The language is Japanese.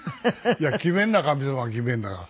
いや決めるのは神様が決めるんだから。